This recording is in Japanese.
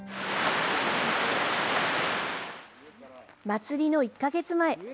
祭りの１か月前。